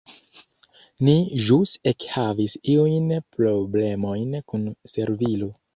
Ni ĵus ekhavis iujn problemojn kun servilo.